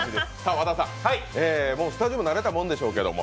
和田さん、スタジオも慣れたもんでしょうけれども。